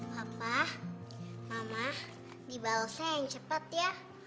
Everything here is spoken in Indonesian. papa mama dibalasnya yang cepat ya